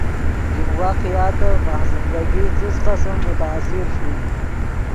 ژیم واقعاتف ماخ زندگی څس قسم متاثر ݰوئے